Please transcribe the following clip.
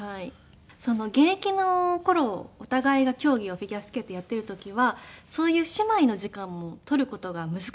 その現役の頃お互いが競技をフィギュアスケートをやっている時はそういう姉妹の時間も取る事が難しかったので。